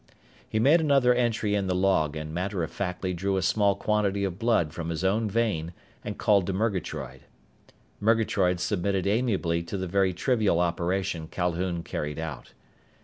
He made another entry in the log and matter of factly drew a small quantity of blood from his own vein and called to Murgatroyd. Murgatroyd submitted amiably to the very trivial operation Calhoun carried out.